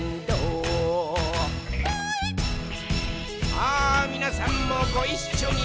さあ、みなさんもごいっしょに！